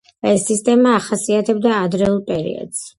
ეს სისტემა ახასიათებდა ადრეულ პერიოდს.